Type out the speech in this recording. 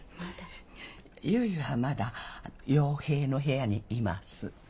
ゆいはまだ陽平の部屋にいます。